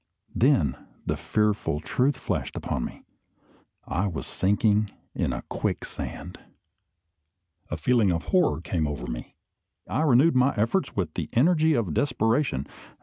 Then the fearful truth flashed upon me: I was sinking in a quicksand. A feeling of horror came over me. I renewed my efforts with the energy of desperation.